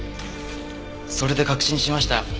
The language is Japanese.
それで確信しました。